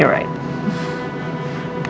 ya kamu benar